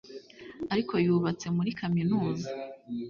ariko yubatse muri kaminuza